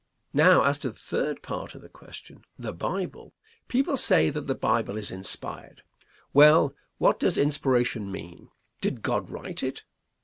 Now, as to the third part of the question, the Bible. People say that the Bible is inspired. Well, what does inspiration mean? Did God write it?